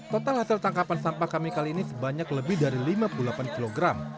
total hasil tangkapan sampah kami kali ini sebanyak lebih dari lima puluh delapan kg